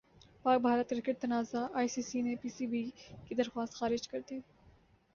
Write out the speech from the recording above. پاک بھارت کرکٹ تنازع I C سی نے پی سی بی کی درخواست خارج کردی